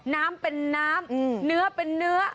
น้ำเป็นน้ำเนื้อเป็นเนื้อ